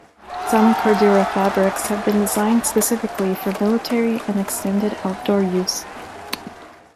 Some Cordura fabrics have been designed specifically for military and extended outdoor use.